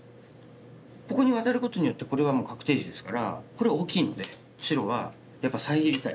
ここにワタることによってこれはもう確定地ですからこれは大きいので白はやっぱり遮りたい。